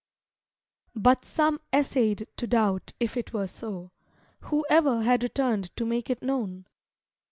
But some essayed to doubt if it were so. Who ever had returned to make it known?